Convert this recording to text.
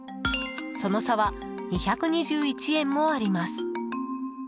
その差は、２２１円もあります。